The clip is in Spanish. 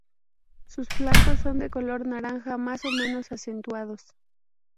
Sus flancos son de un color naranja más o menos acentuado.